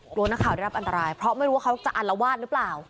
กลัวนักข่าวได้รับอันตรายเพราะไม่รู้ว่าเขาจะอัลวาดหรือเปล่า